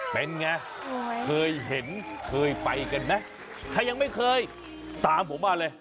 เป็นไงเคยเห็นเคยไปกันไหมถ้ายังไม่เคยตามผมมาเลย